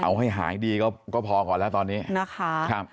เอาให้หายดีก็พอก่อนแล้วตอนนี้นะคะ